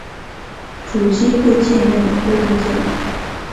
主机埠介面的沟通介面。